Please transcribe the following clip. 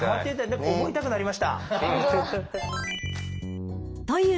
何か覚えたくなりました。